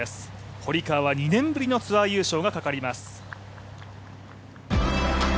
堀川は２年ぶりのツアー優勝がかかります。